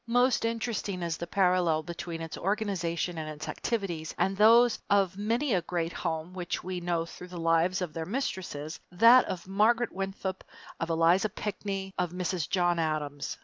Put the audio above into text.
Most interesting is the parallel between its organization and its activities and those of many a great home which we know through the lives of their mistresses, that of Margaret Winthrop, of Eliza Pinckney, of Mrs. John Adams.